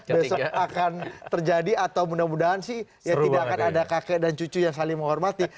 besok akan terjadi atau mudah mudahan sih ya tidak akan ada kakek dan cucu yang saling menghormati